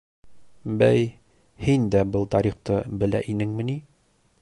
— Бәй, һин дә был тарихты белә инеңме ни?